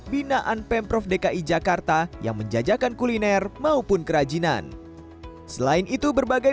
binaan pemprov dki jakarta yang menjajakan kuliner maupun kerajinan selain itu berbagai